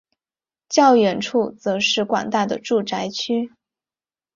较远处则是广大的住宅区。